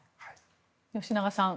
吉永さん